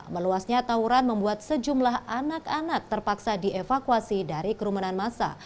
meluasnya tawuran membuat sejumlah anak anak terpaksa dievakuasi dari kerumunan masa